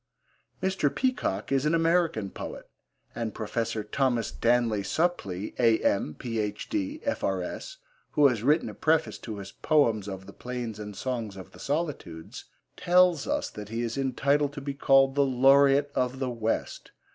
Mr. Peacock is an American poet, and Professor Thomas Danleigh Supplee, A.M., Ph.D., F.R.S., who has written a preface to his Poems of the Plains and Songs of the Solitudes, tells us that he is entitled to be called the Laureate of the West.